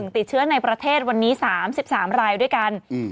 ติดเชื้อในประเทศวันนี้๓๓รายด้วยกัน